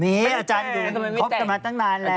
นี่อาจารย์คบกันมาตั้งนานแล้ว